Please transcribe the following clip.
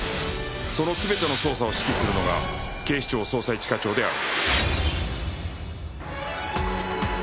その全ての捜査を指揮するのが警視庁捜査一課長である